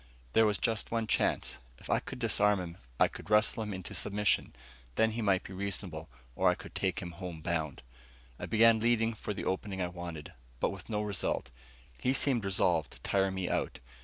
There was just one chance. If I could disarm him, I could wrestle him into submission. Then he might be reasonable, or I could take him home bound. I began leading for the opening I wanted, but with no result. He seemed resolved to tire me out.